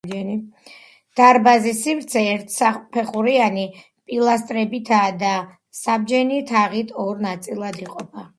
დარბაზის სივრცე ერთსაფეხურიანი პილასტრებითაა და საბჯენი თაღით ორ ნაწილად იყოფა.